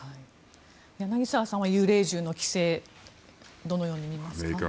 柳澤さんは幽霊銃の規制をどのように見ますか。